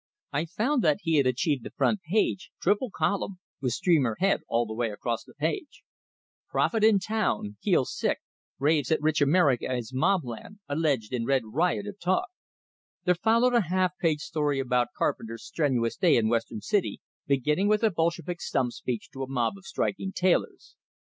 I found that he had achieved the front page, triple column, with streamer head all the way across the page: PROPHET IN TOWN, HEALS SICK, RAVES AT RICH AMERICA IS MOBLAND, ALLEGED IN RED RIOT OF TALK There followed a half page story about Carpenter's strenuous day in Western City, beginning with a "Bolshevik stump speech" to a mob of striking tailors.